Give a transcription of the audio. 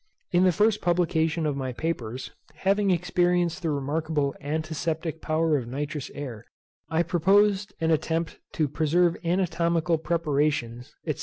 In the first publication of my papers, having experienced the remarkable antiseptic power of nitrous air, I proposed an attempt to preserve anatomical preparations, &c.